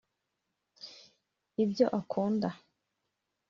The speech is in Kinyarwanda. ibyo akunda